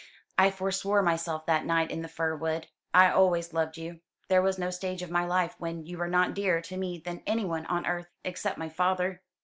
"I forswore myself that night in the fir wood. I always loved you; there was no stage of my life when you were not dearer to me than anyone on earth, except my father."